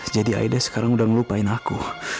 jadi aida sekarang udah ngelupain aku